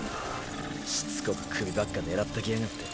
しつこく首ばっか狙ってきやがって。